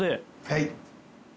はい。